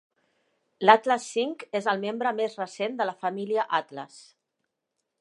L'Atlas V és el membre més recent de la família Atlas.